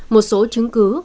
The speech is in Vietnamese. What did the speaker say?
một số chứng cứ